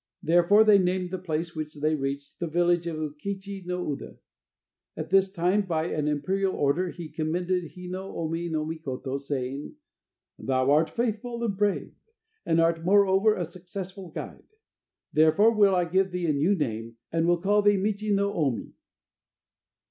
Therefore they named the place which they reached the village of Ukechi in Uda. At this time by an imperial order he commended Hi no Omi no Mikoto, saying: "Thou art faithful and brave, and art moreover a successful guide. Therefore will I give thee a new name, and will call thee Michi no Omi!"